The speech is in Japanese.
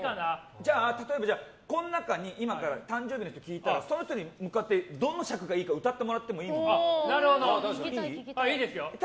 じゃあ、例えばこの中に今から誕生日の人聞いたらその人に向かってその尺がいいかいいですよ。